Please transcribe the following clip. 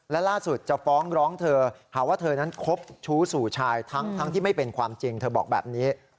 และล่าสุดจะฟ้องร้องเธอหาว่าเธอนั้นคบชู้สู่ชายทั้งที่ไม่เป็นความจริงเธอบอกแบบนี้